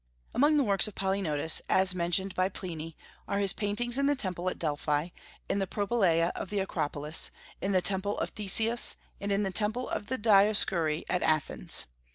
Among the works of Polygnotus, as mentioned by Pliny, are his paintings in the Temple at Delphi, in the Propylaea of the Acropolis, in the Temple of Theseus, and in the Temple of the Dioscuri at Athens.